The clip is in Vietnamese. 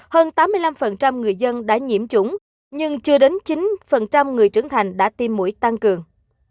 hơn tám mươi năm người dân đã nhiễm chủng nhưng chưa đến chín người trưởng thành đã tiêm mũi tăng cường